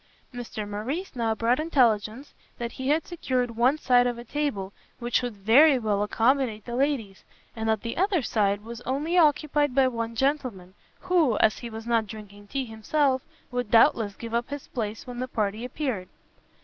Mr Morrice now brought intelligence that he had secured one side of a table which would very well accommodate the ladies; and that the other side was only occupied by one gentleman, who, as he was not drinking tea himself, would doubtless give up his place when the party appeared.